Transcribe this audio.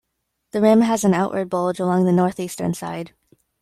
The rim has an outward bulge along the northeastern side.